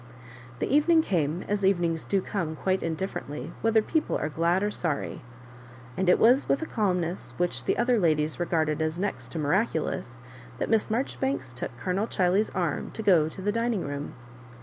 The evening came, as evenings do come quite indiflforently whether people are glad or sorry; and it was with a calmness which the other ladies regarded as next to miraculous, that Miss Marjoribanks took Colonel Ghiley's arm to go to the dining room.